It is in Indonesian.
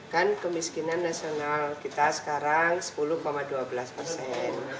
kan kemiskinan nasional kita sekarang sepuluh dua belas persen